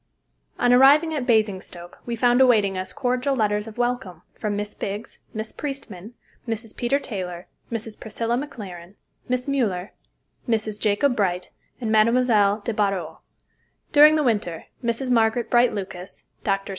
On arriving at Basingstoke we found awaiting us cordial letters of welcome from Miss Biggs, Miss Priestman, Mrs. Peter Taylor, Mrs. Priscilla McLaren, Miss Müller, Mrs. Jacob Bright, and Mme. de Barrau. During the winter Mrs. Margaret Bright Lucas, Drs.